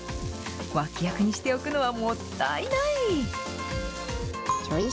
脇役にしておくにはもったいない。